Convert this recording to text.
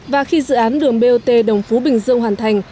và khi dự án đường bot đồng phú bình dương hoàn thành